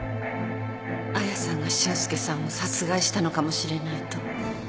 亜矢さんが俊介さんを殺害したのかもしれないと。